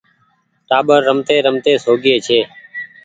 ٽآٻر رمتي رمتي سوگيئي ڇي۔